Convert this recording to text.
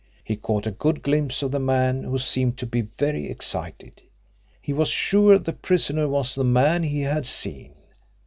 He caught a good glimpse of the man, who seemed to be very excited. He was sure the prisoner was the man he had seen.